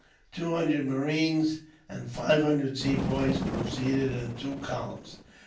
Two hundred marines and five hundred Sepoys proceeded, in two columns.